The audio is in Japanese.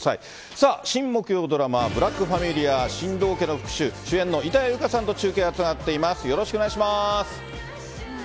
さあ、新木曜ドラマ、ブラックファミリア新堂家の復讐、板谷由夏さんと中継がつながってよろしくお願いします。